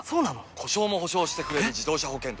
故障も補償してくれる自動車保険といえば？